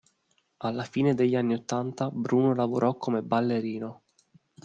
Alla fine degli anni ottanta Bruno lavorò come ballerino.